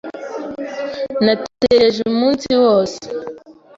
Natekereje umunsi wose.